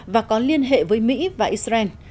và có liên hệ với mỹ và israel